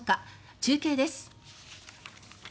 中継です。